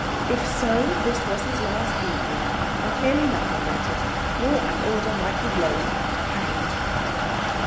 If so, this was his last evening, and clearly nothing mattered. Law and order might be blowed, or hanged.